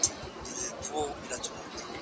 دوی وویل چي سرتیري باید زړور وي.